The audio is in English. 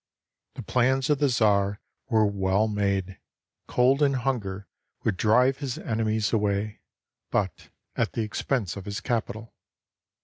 The plans of the czar were well made; cold and hunger would drive his enemies away, but at the expense of his capital.